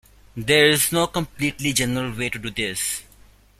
There is no completely general way to do this.